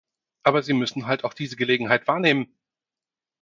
Aber Sie müssen halt auch diese Gelegenheit wahrnehmen.